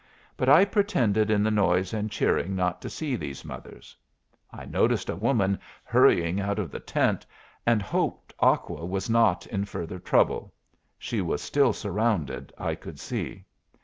But I pretended in the noise and cheering not to see these mothers. I noticed a woman hurrying out of the tent, and hoped Aqua was not in further trouble she was still surrounded, I could see.